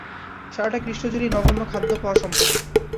সারাটা গ্রীষ্ম জুড়েই নগন্য খাদ্য পাওয়া সম্ভব।